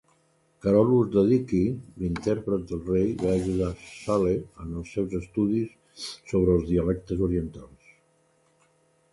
Carolus Dadichi, l'intèrpret del rei, va ajudar Sale en els seus estudis sobre els dialectes orientals.